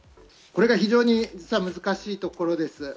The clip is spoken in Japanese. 非常に難しいところです。